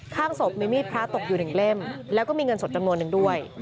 ข้างศพมีมีดพระตกอยู่หนึ่งเล่มแล้วก็มีเงินสดจำนวนนึงด้วย